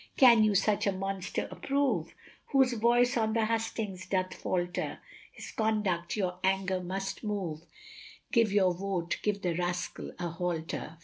Can you such a monster approve, Whose voice on the Hustings doth falter? His conduct your anger must move Give your Vote give the Rascal a Halter.